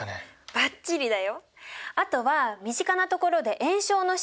バッチリだよ。